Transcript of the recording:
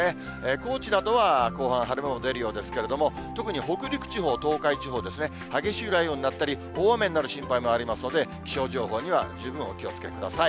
高知などは後半、晴れ間も出るようですけれども、特に北陸地方、東海地方ですね、激しい雷雨になったり、大雨になる心配もありますので、気象情報には、十分お気をつけください。